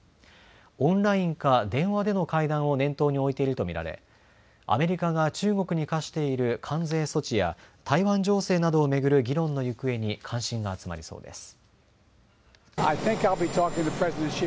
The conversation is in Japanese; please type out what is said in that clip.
オンラインか電話での会談を念頭に置いていると見られアメリカが中国に課している関税措置や台湾情勢などを巡る議論の行方に関心が集まりそうです。